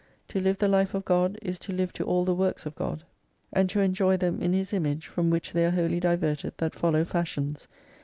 To live the Life of God is to live to all the Works of God, and 167 to enjoy them in His Image, from which they are wholly diverted that follow fashions.